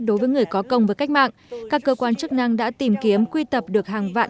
đối với người có công với cách mạng các cơ quan chức năng đã tìm kiếm quy tập được hàng vạn